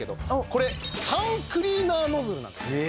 これタンクリーナーノズルなんです。